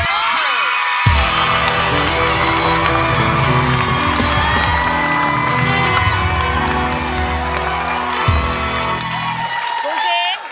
คุณจริง